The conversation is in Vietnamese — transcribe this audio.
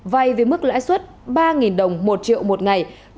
vay với mức lãi suất ba đồng